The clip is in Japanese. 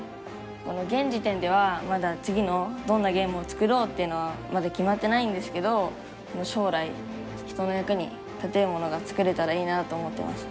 現時点ではまだ次のどんなゲームを作ろうっていうのはまだ決まってないんですけど将来人の役に立てるものが作れたらいいなと思ってます。